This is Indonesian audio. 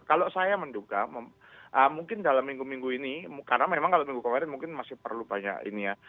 kalau saya menduga mungkin dalam minggu minggu ini karena memang kalau minggu kemarin mungkin masih perlu banyak ini ya